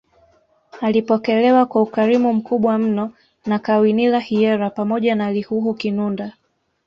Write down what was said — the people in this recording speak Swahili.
Alipokelewa kwa ukarimu mkubwa mno na Kawinila Hyera pamoja na Lihuhu Kinunda